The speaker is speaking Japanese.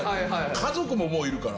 家族ももういるから。